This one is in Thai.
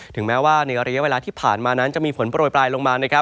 ถึงแม้ว่าในระยะเวลาที่ผ่านมานั้นจะมีฝนโปรยปลายลงมา